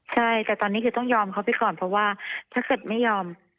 ใช่แต่ตอนนี้คือต้องยอมเขาไปก่อนเพราะว่าถ้าเกิดไม่ยอม